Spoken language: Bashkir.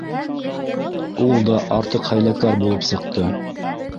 Ул да артыҡ хәйләкәр булып сыҡты.